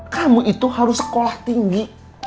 kamu itu harus sekolah tinggi